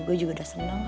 gue juga udah seneng